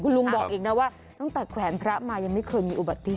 ลุงบอกอีกนะว่าตั้งแต่แขวนพระมายังไม่เคยมีอุบัติเหตุ